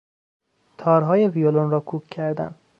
تارهای ویولن را کوک کردن